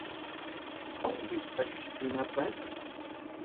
Tukuypas imapas.